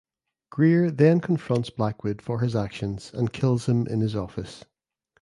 Greer then confronts Blackwood for his actions and kills him in his office.